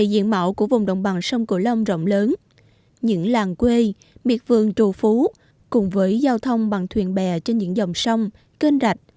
xin chào và hẹn gặp lại